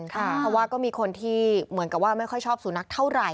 เพราะว่าก็มีคนที่เหมือนกับว่าไม่ค่อยชอบสุนัขเท่าไหร่